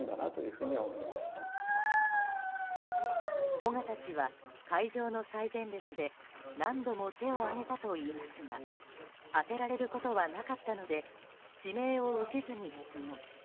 尾形氏は会場の最前列で何度も手を上げたといいますが当てられることはなかったので指名を受けずに質問。